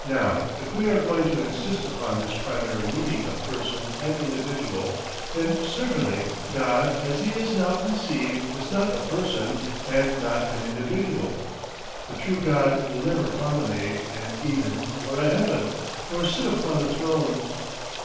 Now if we are going to insist upon this primary meaning of person and individual, then certainly God as he is now conceived is not a person and not an individual. The true God will never promenade an Eden or a Heaven, nor sit upon a throne.